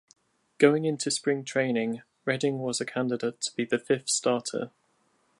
Going into spring training, Redding was a candidate to be the fifth starter.